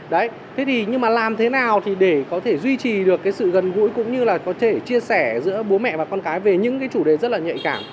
đấy thế thì nhưng mà làm thế nào thì để có thể duy trì được cái sự gần gũi cũng như là có thể chia sẻ giữa bố mẹ và con cái về những cái chủ đề rất là nhạy cảm